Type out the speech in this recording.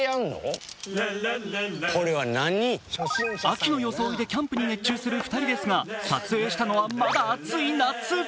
秋の装いでキャンプに熱中する２人ですが撮影したのはまだ暑い夏。